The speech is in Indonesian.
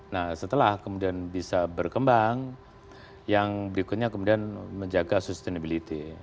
nah setelah kemudian bisa berkembang yang berikutnya kemudian menjaga sustainability